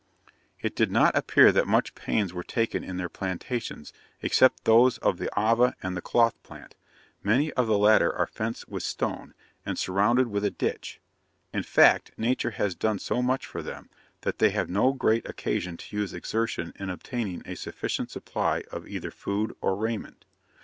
It did not appear that much pains were taken in their plantations, except those of the ava and the cloth plant; many of the latter are fenced with stone, and surrounded with a ditch. In fact, Nature has done so much for them, that they have no great occasion to use exertion in obtaining a sufficient supply of either food or raiment.